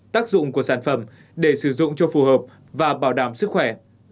tác dụng của sản phẩm để sử dụng cho phù hợp và bảo đảm sức khỏe